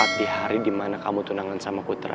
tetep di hari di mana kamu tunangan sama putra